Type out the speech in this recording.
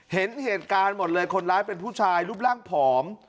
เห็นเหตุการณ์หมดเลยคนร้ายเป็นผู้ชายรูปร่างผอม